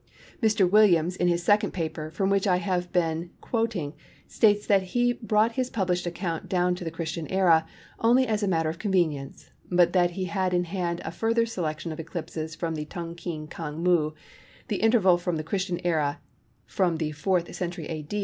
Mr. Williams, in his second paper, from which I have been quoting, states that he brought his published account down to the Christian Era only as a matter of convenience, but that he had in hand a further selection of eclipses from the Tung Keen Kang Muh, the interval from the Christian Era to the 4th century A.